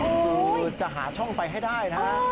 ดูจะหาช่องไปให้ได้นะดูจะหาช่องไปให้ได้นะ